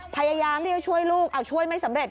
พยายามช่วยลูกช่วยไม่สำเร็จ